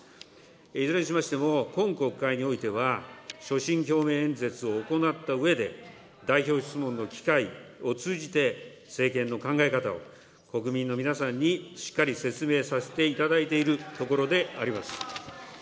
いずれにしましても、今国会においては、所信表明演説を行ったうえで、代表質問の機会を通じて、政権の考え方を国民の皆さんにしっかり説明させていただいているところであります。